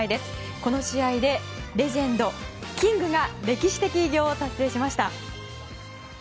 この試合でレジェンド、キングが歴史的偉業を達成しました。